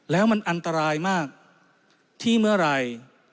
แล้วมันอันตรายมากที่เมื่อไหร่